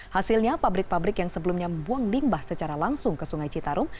hasilnya pabrik pabrik yang sebelumnya membuang limbah secara langsung ke sungai citarum